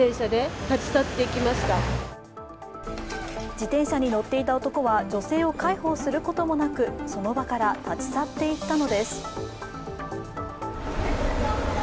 自転車に乗っていた男は女性を介抱することもなくその場から立ち去って行ったのです。